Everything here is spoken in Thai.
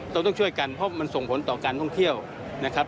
ต้องช่วยกันเพราะมันส่งผลต่อการท่องเที่ยวนะครับ